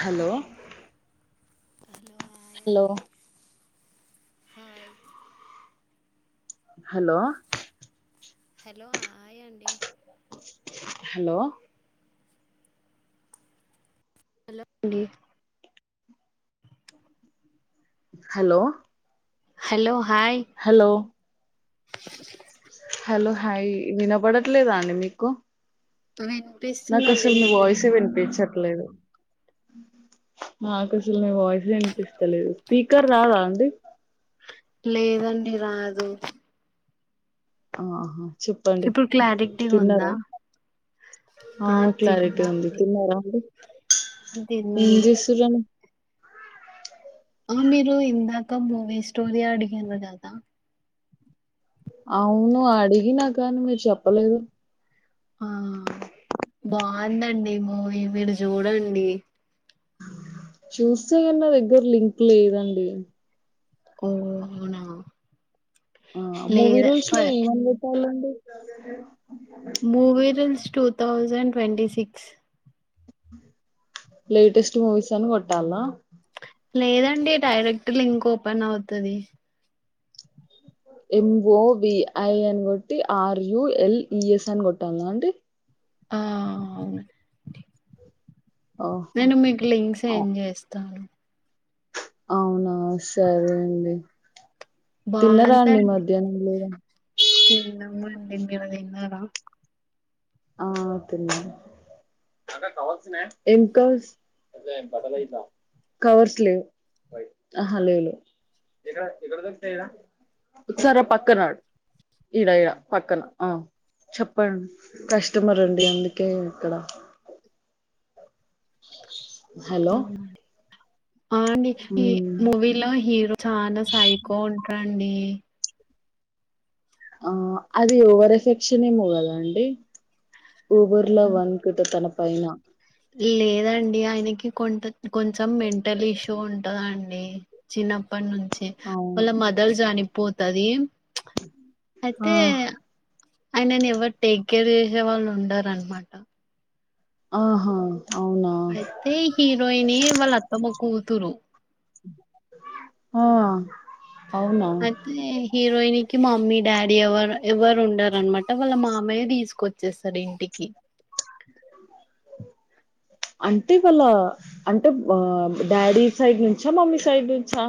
Hello hello hi hello అండి hi hello hello hi అండి hello hello అండి hello hello hi hello hello hi వినబడట్లేదా అండి మీకు నాకు వినిపిస్తుందండి అసలు నీ మీకు వినిపి వాయిసే వినిపించట్లేదు నాకసలు మీ వాయిస్ అనిపిస్తలేదు స్పీకర్ రాదా అండి లేదండి రాదు ఆహా చెప్పండి ఇప్పుడు క్లారిటీగా ఉందా తిన్నారా ఆ క్లారిటీ తిన్నా ఉంది అండి తిన్నారా ఆ తిన్నాండి అండి ఆ మీరు ఇందాక మూవీ స్టోరీ అడిగిండ్రు కదా అన్న అవును అడిగినా కానీ మీరు చెప్పలేదు ఆ బాగుందండి మూవీ మీరు చూడండి చూస్త కని నా దగ్గర లింక్ లేదండి ఓ అవునా ఆ మూవీ లేదా రూల్స్ ఫ లో ఏమని కోట్టాలండి movie rules two thousand twenty six latest movies అని కొట్టాలా లేదండి డైరెక్ట్ లింక్ ఓపెన్ అవుతది ఎంఓ విఐ అని కొట్టి ఆర్ యు ఎల్ఈఎస్ అని కొట్టాల అండీ ఆ అవునండి ఓహో నేను మీకు లింక్స్ సెండ్ చేస్తాను అవునా సరే అంది తిన్నరాండి బాగుందండి మధ్యాహ్నం లేద న్ మీరు తిన్నారా ఆ తిన్నాం కవర్స్ లేవు ఆహా లేవు లేవు ఎక్కడ ఎక్కడా ఉసర పక్కనాడు ఇడా ఇడా పక్కన ఆ చెప్పండి కస్టమర్ అండి అందుకే ఇక్కడ హలో ఆండి ఈ మ్మ్ మూవీలో హీరో చాలా సైకో ఉంటాడండి ఆ అది ఓవర్ ఎఫెక్షన్ ఏమో కదా అండి ఓవర్ లవ్ అనుకుంట తన పైనా లేదండి ఆయనకి కొ కొంచెం మెంటల్ ఇష్యూ ఉంటుందండి చిన్నప్ ప్పటి నుంచి అవును వాళ్ళ మదల్ చనిపోతది అయితే ఆ ఆయనను ఎవరు టేక్ కేర్ చేసే వాళ్ళు ఉండారన్నమాట ఆహా అవునా అయితే హీరోయినే వాళ్ళు అత్తమ్మ కూతురు ఆ అవునా అదే హీరోయినికి మమ్మీ డాడీ ఎవరు ఎవరు ఉండారనమాట వాళ్ళ మా మమయ్యే తీసుకొచ్చేస్ స్టడింటికి అంటే వాళ్ళ అంటే డాడీ సైడ్ నుంచా మమ్మీ సైడ్ నుంచా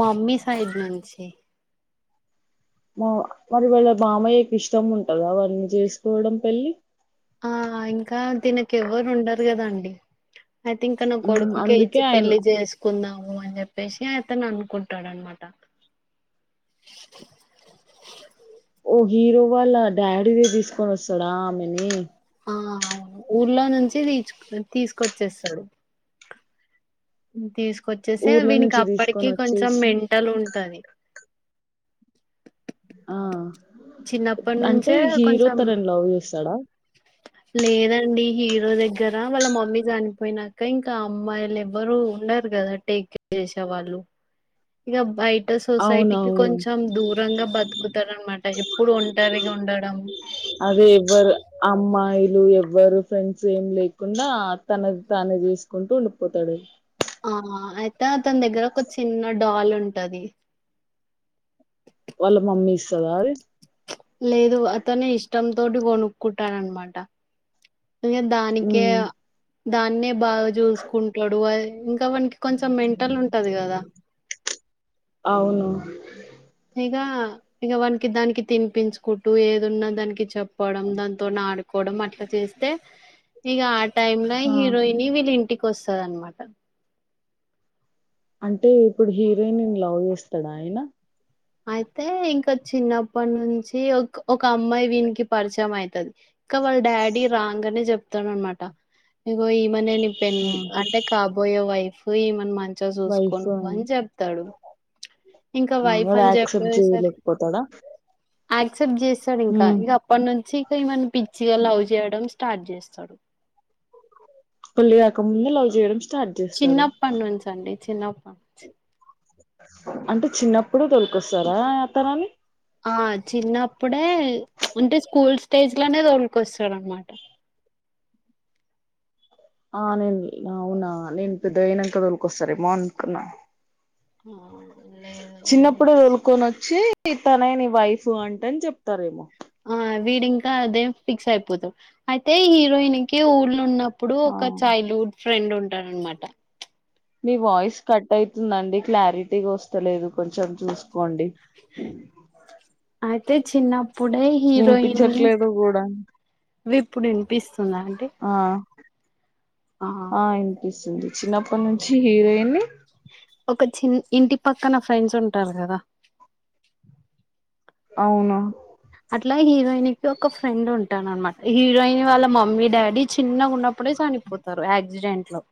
మామ్మీ సైడ్ నుంచి మా మరి వాళ్ళ మమయ్యకి ఇష్టం ఉంటదా వన్నీ చేసుకోవడం పెళ్లి ఆ ఇంకా తినకి ఎవరు ఉండరు కదాండి అయితే ఇంకా నా మ్మ్ కొడుకుకే అందుకే ఇచ్చి ఆయన పెళ్లి చేసుకుందాము అని చెప్పేసి అతను అనుకుంటాడన్నమాట ఓ హీరో వాళ్ళ డాడీనే తీసుకొని వస్తాడా ఆమెని ఆ అవును ఊర్లో నుంచి తీచ తీసుకొచ్చేస్తాడు తీసుకొచ్చేసిే ఊర్ల వీనికి నుంచి తీసుకొని అప్పటికి కొంచెం వచ్చేసి మెంటల్ ఉంటది ఆ చిన్నప్పటి అంటే నుంచే హీరో కొంచెం తనని లవ్ చేస్తాడా లేదండి హీరో దగ్గర వాళ్ళ మమ్మీ చనిపోయినాక ఇంకా అమ్మాయిలు ఎవరుూ ఉండ రూ కదా టేక్ కేర్ చేసే వాళ్ళు ఇక బయ ట సొసైటీకి అవునవును కొంచెం దూరంగా బతుకుతాడ అనమాట ఎప్పుడు ఒంటరిగా ఉండడం అది ఎవరు అమ్మాయి వలు ఎవ్వరు ఫ్రెండ్స్ ఏం లేకుండా తన తానే చేసుకుంటూ ఉండిపోతాడు ఆహ్ అయితే అతని దగ్గర ఒక చిన్న డాల్ ఉంటది వాళ్ళ మమ్మీ ఇస్తద ఆది లేదు అతనే ఇష్టం తోటి కొనుక్కుంటాడనమాట దానికే ఉమ్ దాన్నే బాగా చూసుకుంటాడు అది ఇంకా వాణికి కొంచెం మెంటల్ ఉంటది కదా అవును ఇగా ఇగ వానికి దానికి తినిపించుకుంటూ ఏదున్నా దానికి చెప్ప పోవడం దాంతో ఆడుకోవడం అట్లా చేస్తే ఇగా టైమ్ లో ఆ హీరోయిని వీళ్ళ ఇంటికి వస్తది అనమాట అంటే ఇప్పుడు హీరోయిన్ లవ్ చేస్తాడా అయినా అయితే ఇంకా చిన్నప్పటి నుంచి ఒక ఒక అమ్మాయి వీనికి పరిచయం అవుతది ఇంకా వాళ్ళ డాడీ రాంగనే చెప్తాడు అనమాట ఇకు ఈమనే ని పె ఆ అంటే కాబోయే వైఫ్ ఈమన్ మం చిగా చూసుకో నువ్వు అని చెప్తడు ఇంకా హ్మ్. వైఫ్ వాడు అని చెప్పే యాక్సెప్ట్ సరికి చేయలేకపోతాడా యాక్సెప్ట్ చేస్తాడు ఇంకా హ్మ్. ఇక అప్పటి నుంచి ఇక ఈమను పిచ్చిగా లవ్ చేయడం స్టార్ట్ చేస్తాడు పెళ్లి కాకముందే లవ్ చేయడం స్టార్ట్ చేస్తాడు చిన్నప్పటి నుంచి అండి చిన్నప్పటి నుంచి అంటే చిన్నప్పుడు తోలుకొస్తారా ఆ తనని ఆ చిన్నప్పుడే అంటే స్కూల్ స్టేజ్ లనే తోలుకొస్తాడు అన్నమాట ఆ నేను అవునా నేను పెద్దగా అయినంక తోలుకొస్తారేమో అనుకున్నా మ్ చిన్నప్పుడు తోలుకొని వచ్చి తనని వైఫ్ అంట అని చెప్తారేమో ఆహ్ వీడి ఇంకా అదే ఫిక్స్ అయిపోతడు అయితే హీరోయిన్ కి ఊళ్ళ ఉన్న ఇప్పుడు ఆ ఒక చైల్డ్ హుడ్ ఫ్రెండ్ ఉంటాడు అన్నమాట మీ వాయిస్ కట్ అవుతుందండి క్లారిటీగా వస్తలేదు కొంచెం చూసుకోండి అయితే చిన్నప్పుడే హీరోయిన్ని వినిపించట్లేదు కూడా వి ఇప్పుడు వినిపిస్తుందా అండి ఆ ఆహ్ ఇనిపిస్తుంది చిన్నప్పటి నుంచి హీరోయిన్ని ఒక చి ఇంటి పక్కన ఫ్రెండ్స్ ఉంటారు కదా అవునా అట్లా హీరోయిన్ కి ఒక ఫ్రెండ్ ఉంటాడు అన్నమాట హీరోయిన్ వాళ్ల మమ్మీ డాడీ చిన్నగా ఉన్నప్పు డే చనిపోతారు యాక్సిడెంట్ లో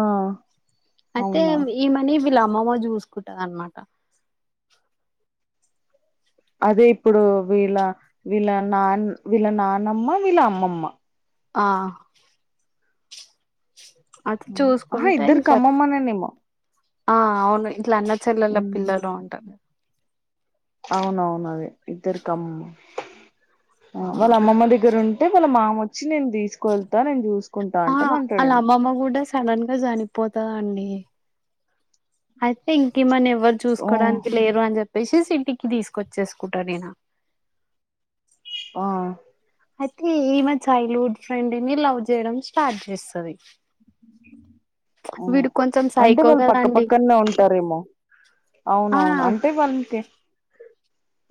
ఆహ్ అంటే అయితే ఈమనీ వీళ్ళ అమ్మమ్మ చూసుకుంటది అన్నమాట అదే ఇప్పుడు వీళ్ల వీళ్ల నాన్ వీళ్ల నాన్నమ్మ వీళ్ల అమ్మమ్మ ఆహ్ అది ఆహా చూసుకుంటే ఇద్దరికి ఇంకా అమ్మమ్మనేనేమో ఆ అవును ఇట్లా అన్న చెల్లల ఉమ్, పిల్లలు ఉంటరు ఇద్దరి కమ్మ వాళ్ల అమ్మమ్మ దగ్గర ఉంటే వాళ్ల మామ వచ్చి నేను తీసుకెళ్తా నేను చూ ఆ వాళ్ల అమ్మమ్మ కూడా సడన్ గా చనిపోతదండి అయితే ఇంక ఈమని ఎవ్వరు ఓ చూసుకోడానికి లేరు అని చెప్పేసి సి టికి తీసుకొచ్చేసుకుంటాను నేనా ఆ అయితే ఈమె చైల్డ్ హుడ్ ఫ్రెండ్ ని లవ్ చేయడం స్టార్ట్ చేస్తది ఉమ్ వీడు కొంచెం అంటే సైకో వాళ్ళు కదండి పక్కపక్కనే ఉంటారేమో ఆ అవునవును అంటే వాళ్లకి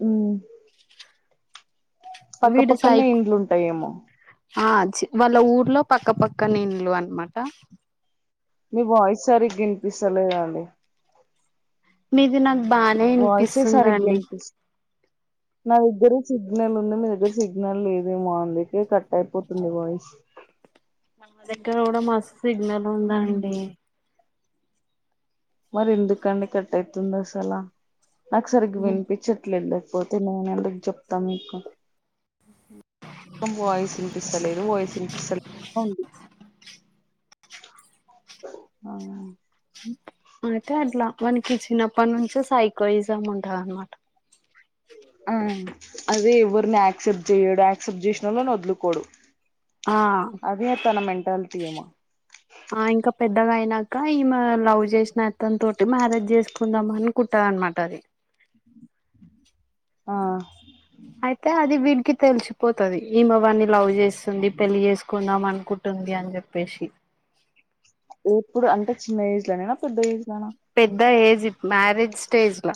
ఉమ్ వీడు పక్కపక్కనే సైకో ఇండ్లుంటాయేమో ఆ చి వాళ్ల ఊర్లో పక్క పక్క ఇండ్లు అన్నమాట మీ వాయిస్ సరిగ్గా ఇనిపిస్తలేదండి మీది నాకు బానే వాయిసే ఇనిపిస్తుంది సరిగ్గా అండి వినిపిస్ నా దగ్గర సిగ్నల్ ఉంది మీ దగ్గర సిగ్నల్ లేదేమో అందుకే కట్ అయిపోతుంది వాయిస్ నా దగ్గర కూడా మస్తు సిగ్నల్ ఉంది అండి మరి ఎందుకండి కట్ అయితుంది అసలా నాకు సరిగ్గా వినిపించట్లేదులే పోతే నేను ఎందుకు చెప్తాను మీకు మ్ మొత్తం వాయిస్ వినిపిస్తలేదు వాయిస్ వినిపిస్తలేదనే ఉంది ఆ అయితే అట్లా వానికి చిన్నప్పటి నుంచే సైకోయిజం ఉంటది అన్నమాట ఆ అదే ఎవరిని యాక్సెప్ట్ చెయడు యాక్సెప్ట్ చేసినోళ్లని వదులుకోడు ఆ అదే తన మెంటాలటీ ఏమో ఆ ఇంకా పెద్దగా అయినాక ఈమె లవ్ చేసిన అతనుతోటి మ్యారేజ్ చేసుకుందాం అని కుట్టారు అనమాట అది ఆ అయితే అది వీటికి తెలిసిపోతుది ఈమె వాని లవ్ చేస్తుంది పెళ్లి చేసుకుందాం అని కుంటుంది అని చెప్పేసి ఎప్పుడు అంటే చిన్న ఏజ్ లోనేనా పెద్ద ఏజ్లానా పెద్ద ఏజ్ మ్యారేజ్ స్టేజ్ లో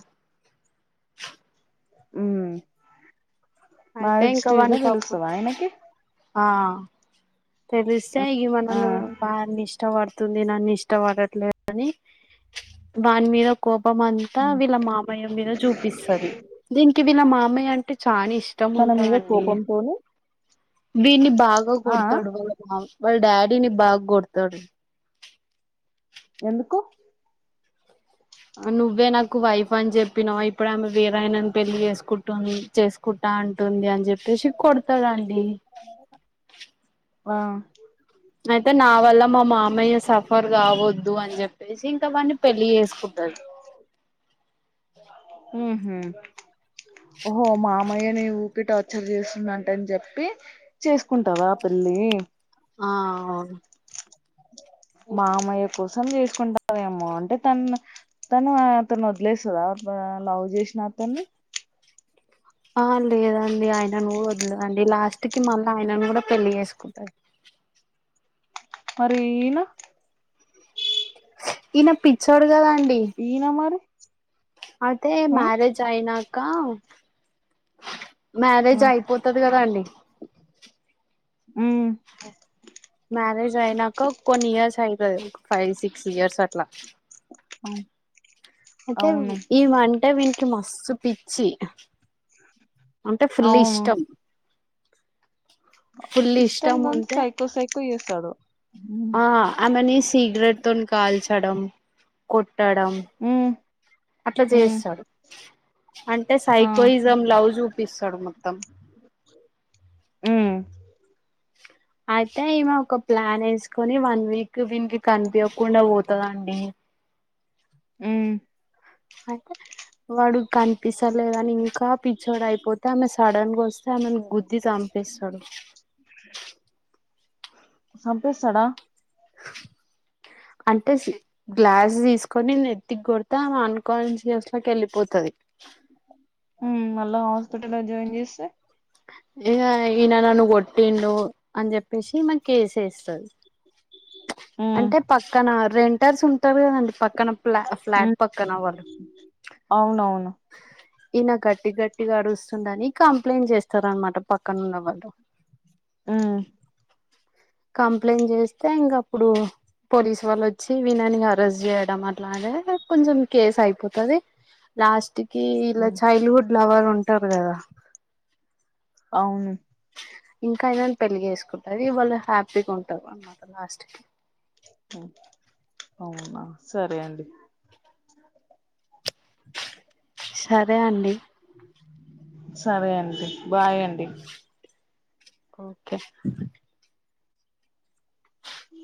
ఉమ్ అయితే మారజ్ ఇంకా స్టేజ్ లో వానికి అప్పుడు తెలుస్తదా ఈమెకి ఆ తెలిస్తే ఆ ఏవన్నాను వాని ఇష్టపడుతుంది నన్ను ఇష్టపడట్లేదు అని వాని మీద కోప ప అంతా వీళ్ళ మామయ్య మీద చూపిస్తది దీనికి వీళ్ళ మామయ్య అంటే కానీ ఇష్టం తన మీద ఉంటాదండి కోపంతోని వీని బాగా ఆ ఆ కొడతాడు వాళ్ళ మావయ్య వాళ్ళ డాడీని బాగా కొడతాడు ఎందుకు నువ్వే నాకు వైఫ్ అని చెప్పినావు ఇప్పుడ ఆమె వీరయనని పెళ్లి చేసుకుంటుని చేసుకు కుంట అంటుంది అని చెప్పేసి కొడతాడండీ ఆ అయితే నా వల్ల మా మామయ్య సఫర్ కావద్దు అని చెప్పేసి ఇంకావన్నీ పెళ్లి చేసుకుంటాదీ ఉమ్ ఓహో మామయ్యని ఊకే టార్చర్ చేస్తుందంట అని చెప్పి చేసుకుంటదా ఆ పిల్ల లే ఆ అవును మా మామయ్య కోసం చేసుకుంటారేమో అంటే తను తను అతను వదిలేస్తుందా లవ్ చేసిన అతన్ని ఆ లేదండి ఆయనను వదిలేదండి లాస్ట్ కి మళ్ళీ ఆయనను కూడా పెళ్లి చేసుకుంటారు మరి ఈయన ఈన పిచ్చోడుగాద ఈనా మరి అయితే ఆ మ్యారేజ్ అయినాక మ్యారేజ్ ఆ అయిపోతుది కదా అండి ఉమ్ మ్యారేజ్ అయినాక కొన్ని ఇయర్స్ అయితే ఫైవ్ సిక్స్ ఇయర్స్ అట్లా అ ఏమంటే వీనికి మస్తు పిచ్చి అంటే ఫుల్ అవును ఇష్టం ఫుల్ ఇష్టం గం ఉంటే సైకో సైకో వేస్తాడు ఆ ఆమెని సిగరెట్ తోని కాల్చడం కొట్టడం ఉమ్ అట్లా ఉమ్ చేయిస్తాడు అంటే ఆ సైకోయిజం లవ్జ్ చూపిస్తాడు మొత్తం ఆ స అయితే ఈమె ఒక ప్లాన్ వేసుకొని వన్ వీక్ దీనికి కనిపించకుండా పోతుందండి ఆ అయితే వాడు కనిపిస్తలేదని ఇంకా చోడు అయిపోతే ఆమె సడన్ గా వస్తే ఆమెను గుది చంపిస్తాడు. చంపేస్తాడా ఆ అంటే గ్లాస్ తీసుకొని నెత్తికి కొడతే ఆమె అన్కాన్షియస్ లాకి వెళ్ళిపోతుంది. అ మళ్ళా హాస్పిటల్లో జాయిన్ చేస్తే ఇక ఈయన నన్న కొట్టిండు అని చెప్పేసి మకు కేసేస్తుంది ఉమ్ అంటే పక్కన రెంటర్స్ ఉంటారు కదండి పక్కన ఫ ఫ్లట్ ఉమ్, పక్కన వాల్ అవునవును ఈయన గట్టి గట్టిగా అడుస్తుందని కంప్లైంట్ చేస్తార అనమాట పక్కన ఉన్నవాళ్ళు ఉ కంప్లైంట్ చేస్తే ఇంకా అప్పుడు పోలీసు వాళ్ళు వచ్చి విననికి అరెస్ట్ చేయడం అట్లానే కొంచెం కేసు అయిపోతుది. లాస్ట్ కి వీళ్ళ ఉమ్, చైల్డ్ హుడ్ లవర్ ఉంటారు కదా అవును ఇంకా ఏదైనా పెళ్లిగ వేసుకుంటుది వాళ్ళు హ్యాపీగా ఉంటారు అన్నమాట లాస్ట్ కి అవునా సరే అండి సరే అండి సరే అండి బాయ్ అండి ఓకే ఉ